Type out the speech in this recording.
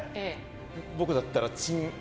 僕だったら、チン。